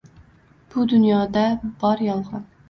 Bu dunyoda bor yolg’on.